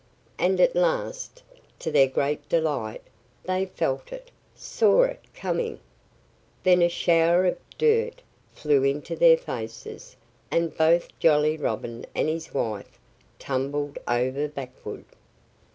And at last, to their great delight, they felt it saw it coming. Then a shower of dirt flew into their faces and both Jolly Robin and his wife tumbled over backward.